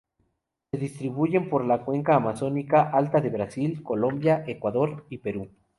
Se distribuyen por la cuenca amazónica alta de Brasil, Colombia, Ecuador y Perú.